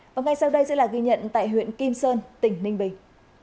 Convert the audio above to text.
và ngay sau đây sẽ là ghi nhận tại huyện kim sơn tỉnh ninh bình